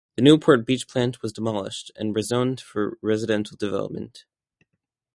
The Newport Beach plant was demolished, and rezoned for residential development.